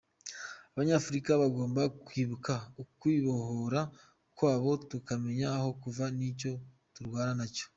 Abanyafurika bagomba kwibuka ukwibohora kwabo , tukamenya aho tuva n’icyo turwana nacyo.